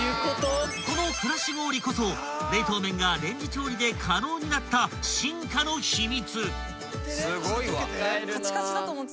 ［このクラッシュ氷こそ冷凍麺がレンジ調理で可能になった進化の秘密］